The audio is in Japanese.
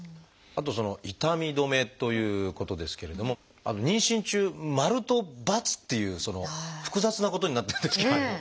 あと痛み止めということですけれども妊娠中「○」と「×」っていう複雑なことになってるんですけれども。